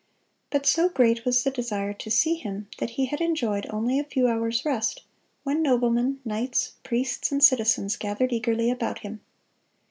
But so great was the desire to see him, that he had enjoyed only a few hours' rest, when noblemen, knights, priests, and citizens gathered eagerly about him.